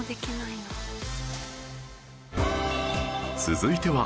続いては